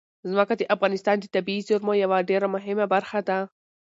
ځمکه د افغانستان د طبیعي زیرمو یوه ډېره مهمه برخه ده.